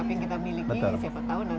apa yang kita miliki siapa tahu